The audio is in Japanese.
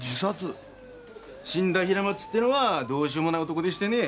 死んだ平松ってのはどうしようもない男でしてね。